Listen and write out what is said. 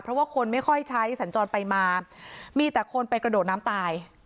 เพราะว่าคนไม่ค่อยใช้สัญจรไปมามีแต่คนไปกระโดดน้ำตาย